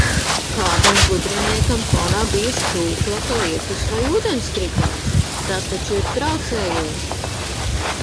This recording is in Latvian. Kādam gudriniekam fonā bija strūklaka, lietus vai ūdenskritums! Tas taču ir traucējoši!